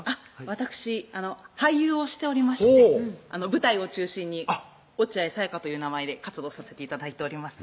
わたくし俳優をしておりまして舞台を中心に落合咲野香という名前で活動させて頂いております